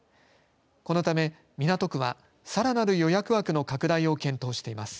このため、港区はさらなる予約枠の拡大を検討しています。